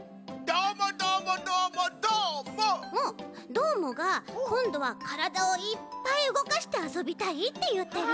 どーもがこんどはからだをいっぱいうごかしてあそびたいっていってるち。